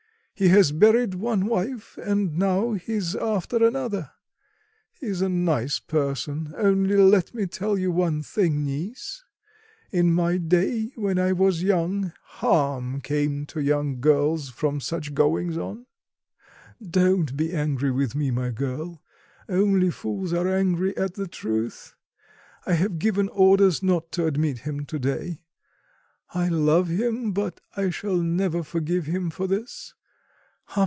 He has buried one wife and now he's after another. He's a nice person: only let me tell you one thing, niece; in my day, when I was young, harm came to young girls from such goings on. Don't be angry with me, my girl, only fools are angry at the truth. I have given orders not to admit him to day. I love him, but I shall never forgive him for this.